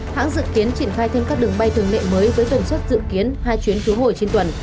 hãng dự kiến triển khai thêm các đường bay thường mệnh mới với tuần sức dự kiến hai chuyến cứu hồi trên tuần